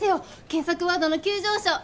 検索ワードの急上昇